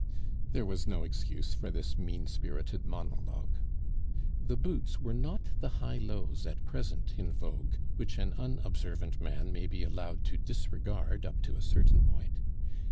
There was no excuse for this mean spirited monologue. The boots were not the high lows at present in vogue, which an unobservant man may be allowed to disregard up to a certain point.